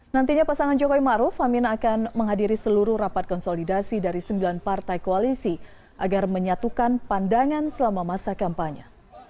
nantinya pasangan jokowi maruf amin akan menghadiri seluruh rapat konsolidasi dari sembilan partai koalisi agar menyatukan pandangan selama masa kampanye